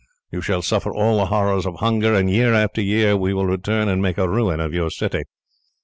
You shall suffer all the horrors of hunger, and year after year we will return and make a ruin of your city."